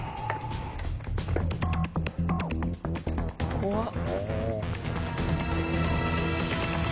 怖っ。